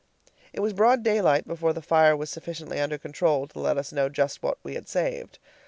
It was broad daylight before the fire was sufficiently under control to let us know just what we had saved.